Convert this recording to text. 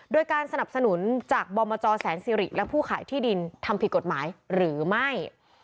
โดยการสนับสนุนจากบมจแสนสิริและผู้ขายที่ดินทำผิดกฎหมายหรือไม่